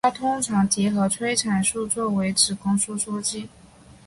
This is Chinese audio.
它通常结合催产素作为子宫收缩剂。